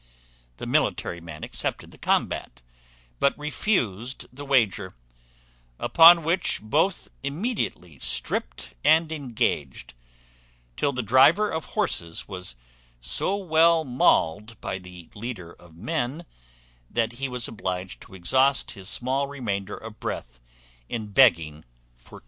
The military man accepted the combat, but refused the wager; upon which both immediately stript and engaged, till the driver of horses was so well mauled by the leader of men, that he was obliged to exhaust his small remainder of breath in begging for quarter.